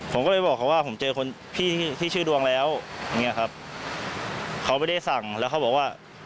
ผมก็เลยบอกเขาว่าผมเจอคนพี่ที่ชื่อดวงแล้วอย่างเงี้ยครับเขาไม่ได้สั่งแล้วเขาบอกว่า